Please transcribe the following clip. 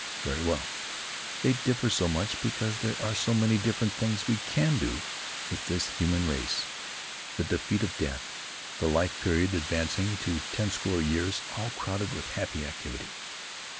Very well. They differ so much because there are so many different things we can do with this human race.... The defeat of death; the life period advancing to ten score years all crowded with happy activity.